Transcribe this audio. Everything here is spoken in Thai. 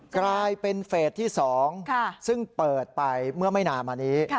กลายเป็นเฟสที่๒ซึ่งเปิดไปเมื่อไม่นานมานี้